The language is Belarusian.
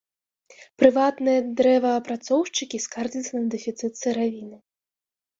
Прыватныя дрэваапрацоўшчыкі скардзяцца на дэфіцыт сыравіны.